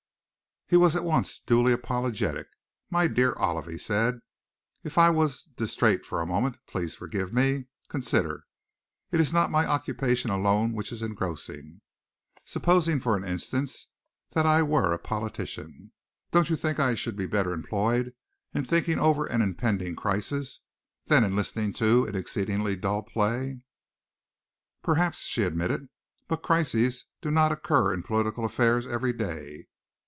He was at once duly apologetic. "My dear Olive," he said, "if I was distrait for a moment, please forgive me. Consider. It is not my occupation alone which is engrossing. Supposing, for instance, that I were a politician. Don't you think that I should be better employed in thinking over an impending crisis than in listening to an exceedingly dull play?" "Perhaps," she admitted, "but crises do not occur in political affairs every day.